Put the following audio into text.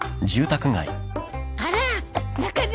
あら中島